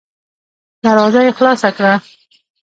دروازه يې خلاصه کړه.